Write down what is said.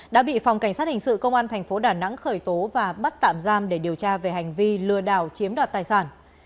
đã bị phòng cảnh sát hình sự công an thành phố đà nẵng khởi tố và bắt tạm giam để điều tra về hành vi lừa đảo chiếm đoạt tài sản